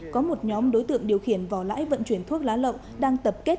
có một nhóm đối tượng điều khiển vỏ lãi vận chuyển thuốc lá lậu đang tập kết